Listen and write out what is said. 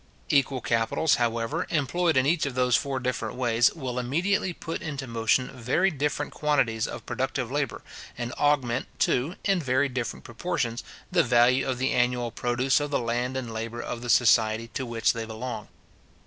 Equal capitals, however, employed in each of those four different ways, will immediately put into motion very different quantities of productive labour; and augment, too, in very different proportions, the value of the annual produce of the land and labour of the society to which they belong.